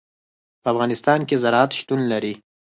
په افغانستان کې زراعت شتون لري.